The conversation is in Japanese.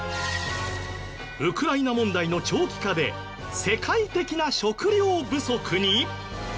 ウクライナ問題の長期化で世界的な食料不足に？